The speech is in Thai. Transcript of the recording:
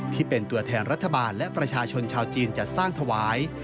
ที่เป็นตัวแทนรัฐบาลและประชาชนชาวจีนจัดสร้างถวาย